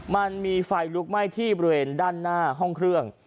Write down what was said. มันมีไฟลุกไหม้ที่บริเวณด้านหน้าห้องเครื่อง